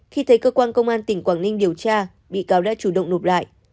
khi thấy cơ quan công an tỉnh quảng ninh điều tra bị cáo đã chủ động nộp lại